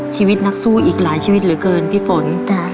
ชีวิตนักสู้อีกหลายชีวิตเหลือเกินพี่ฝน